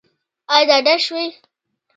ایا ډاډه شوئ؟